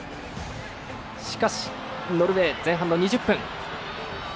しかし、ノルウェー前半の２０分。